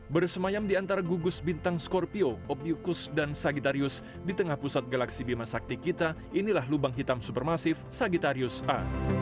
bersemayam di antara gugus bintang scorpio obliukus dan sagittarius di tengah pusat galaksi bimasakti kita inilah lubang hitam supermasif sagittarius a